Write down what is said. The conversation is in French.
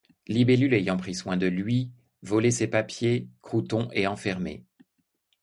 Libellule ayant pris soin de lui voler ses papiers, Crouton est enfermé.